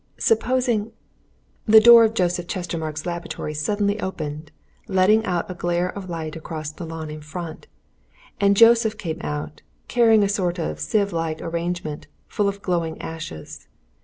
Supposing The door of Joseph Chestermarke's laboratory suddenly opened, letting out a glare of light across the lawn in front. And Joseph came out, carrying a sort of sieve like arrangement, full of glowing ashes.